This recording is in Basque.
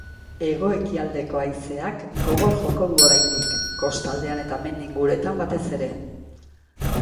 Hego-ekialdeko haizeak gogor joko du oraindik, kostaldean eta mendi inguruetan batez ere.